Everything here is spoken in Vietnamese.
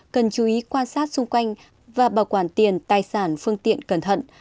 cần chú ý quan sát xung quanh và bảo quản tiền tài sản phương tiện cẩn thận